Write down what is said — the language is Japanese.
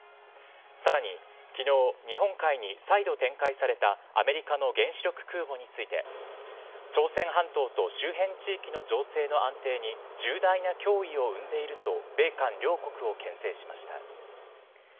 さらに昨日日本海に再度展開されたアメリカの原子力空母について朝鮮半島と周辺地域の情勢の安定に重大な脅威を生んでいると米韓両国をけん制しました。